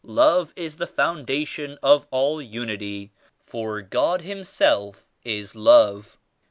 Love is the foundation of all unity, for God himself is Love.